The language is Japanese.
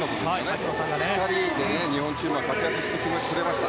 この２人が日本チームで活躍してくれました。